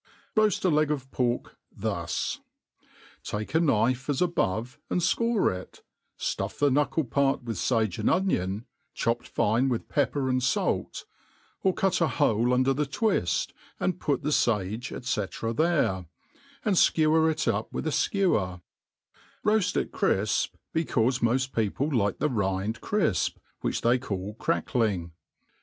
Roafl" a leg' Or > pork thus I take a . i^hife, .^6 . above, and fcore it ^' ftuff the knuckle part with fage and onion, chopped fincf urith pepp^ftr and fait : or cut a hole under the twift, and put the (age^ &C4 there, and (kewer it Ufi Wtlh a^fkewef; Koaift it crifpV be« ^ caufe mod people like the rind crifp, which they call crack ling.